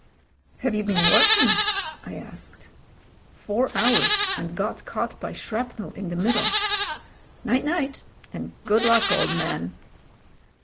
"Have you been working?" I asked. "Four hours, and got caught by shrapnel in the mid dle. Night night, and good luck, old man."